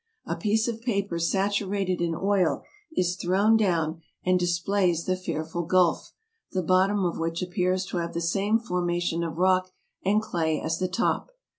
A piece of paper satu rated in oil is thrown down and displays the fearful gulf, the bottom of which appears to have the same formation of rock and clay as the top.